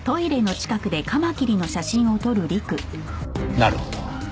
なるほど。